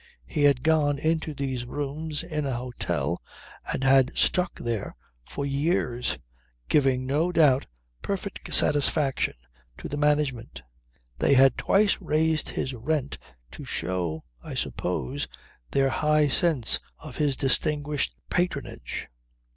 He had gone into these rooms in an hotel and had stuck there for years, giving no doubt perfect satisfaction to the management. They had twice raised his rent to show I suppose their high sense of his distinguished patronage.